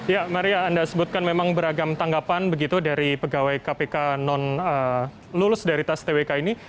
ya maria anda sebutkan memang beragam tanggapan begitu dari pegawai kpk non lulus dari tes twk ini